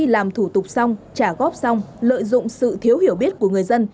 làm thủ tục xong trả góp xong lợi dụng sự thiếu hiểu biết của người dân